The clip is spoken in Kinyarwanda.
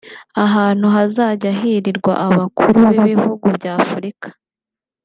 ahantu hazajya hirirwa abakuru b’ibihugu bya Afurika